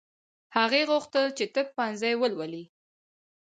هغې غوښتل چې طب پوهنځی ولولي